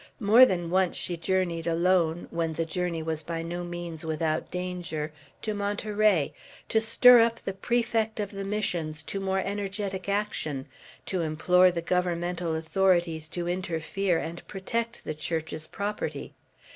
More than once she journeyed alone, when the journey was by no means without danger, to Monterey, to stir up the Prefect of the Missions to more energetic action, to implore the governmental authorities to interfere, and protect the Church's property.